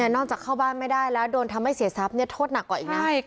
นอกจากเข้าบ้านไม่ได้แล้วโดนทำให้เสียทรัพย์โทษหนักกว่าอีกนะ